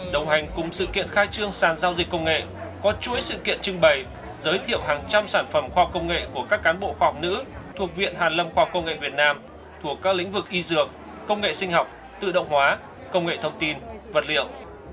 đồng hành cùng sự kiện khai trương sàn giao dịch công nghệ có chuỗi sự kiện trưng bày giới thiệu hàng trăm sản phẩm khoa học công nghệ của các cán bộ khoa học nữ thuộc viện hàn lâm khoa công nghệ việt nam thuộc các lĩnh vực y dược công nghệ sinh học tự động hóa công nghệ thông tin vật liệu